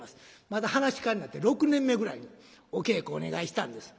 まだ噺家になって６年目ぐらいにお稽古お願いしたんです。